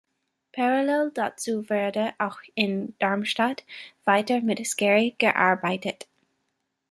Parallel dazu wurde auch in Darmstadt weiter mit Scary gearbeitet.